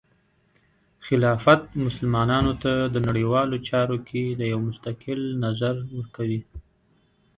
خلافت مسلمانانو ته د نړیوالو چارو کې د یو مستقل نظر ورکوي.